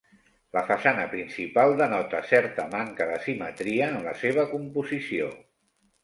La façana principal denota certa manca de simetria en la seva composició.